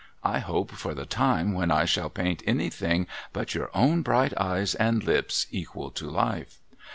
I hope for the time when I shall paint anything but your own bright eyes and lips equal to life.'